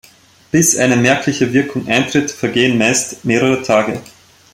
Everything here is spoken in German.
Bis eine merkliche Wirkung eintritt, vergehen meist mehrere Tage.